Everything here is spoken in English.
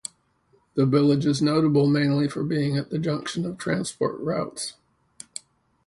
The village is notable mainly for being at a junction of transport routes.